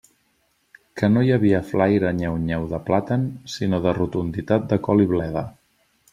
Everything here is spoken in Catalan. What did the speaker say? Que no hi havia flaire nyeu-nyeu de plàtan, sinó de rotunditat de col i bleda.